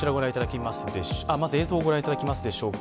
まず映像を御覧いただけますでしょうか